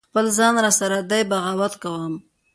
خپل ځان را سره دی بغاوت کوم